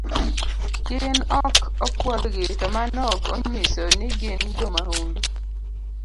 Gin ok opuodhgi to mano ok onyiso ni gin jomahundu.